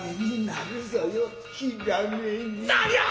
何を。